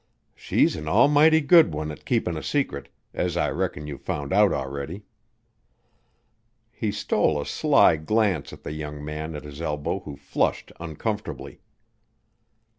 She's an almighty good one at keepin' a secret, as I reckon you've found out already." He stole a sly glance at the young man at his elbow who flushed uncomfortably.